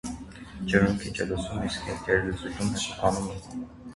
Ջրում քիչ է լուծվում, իսկ հիմքերի լուծույթում հեղուկանում է։